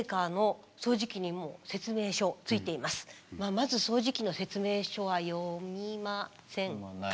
まず掃除機の説明書は読みませんか？